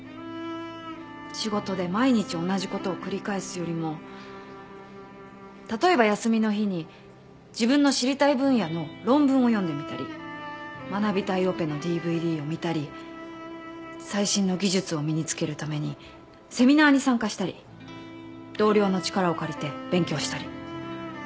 仕事で毎日同じことを繰り返すよりも例えば休みの日に自分の知りたい分野の論文を読んでみたり学びたいオペのＤＶＤを見たり最新の技術を身に付けるためにセミナーに参加したり同僚の力を借りて勉強したり。